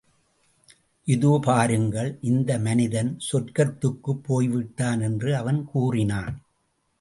இதோ பாருங்கள், இந்த மனிதன் சொர்க்கத்துக்குப் போய்விட்டான் என்று அவன் கூறினான்.